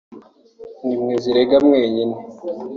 ni mwe zirega mwenyine